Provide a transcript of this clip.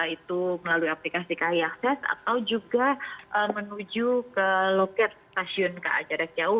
itu melalui aplikasi kai akses atau juga menuju ke loket stasiun ka jarak jauh